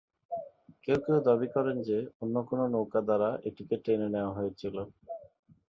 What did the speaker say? কেউ কেউ দাবী করেন যে, অন্য কোন নৌকা দ্বারা এটিকে টেনে নেয়া হয়েছিল।